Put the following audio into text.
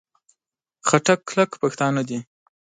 خټک کلک پښتانه دي.